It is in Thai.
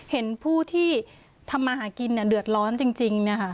เห็นผู้ที่ทำมาหากินเดือดร้อนจริง